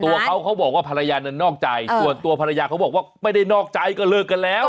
ตัวเขาเขาบอกว่าภรรยานั้นนอกใจส่วนตัวภรรยาเขาบอกว่าไม่ได้นอกใจก็เลิกกันแล้ว